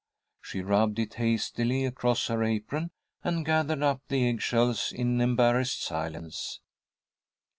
She rubbed it hastily across her apron, and gathered up the egg shells in embarrassed silence.